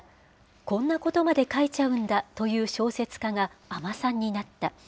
こんなことまで書いちゃうんだという小説家が尼さんになった。